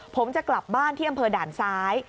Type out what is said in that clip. ผมจะกลับบ้านที่อำเภอด่านซ้าย